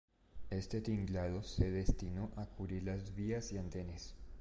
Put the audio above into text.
Este tinglado se destinó a cubrir las vías y andenes.